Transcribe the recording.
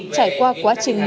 trải qua quá trình